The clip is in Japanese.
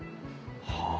はあ。